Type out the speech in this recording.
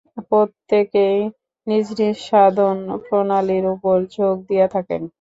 প্রত্যকেই নিজ নিজ সাধন-প্রণালীর উপর ঝোঁক দিয়া থাকেন।